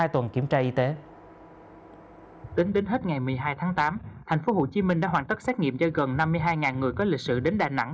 tính đến hết ngày một mươi hai tháng tám tp hcm đã hoàn tất xét nghiệm cho gần năm mươi hai người có lịch sử đến đà nẵng